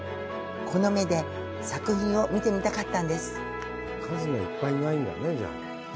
この目で作品を見てみたかったんです。